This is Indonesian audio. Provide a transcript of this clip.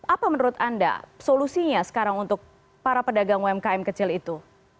apa menurut anda solusinya sekarang untuk para pedagang umkm kecil itu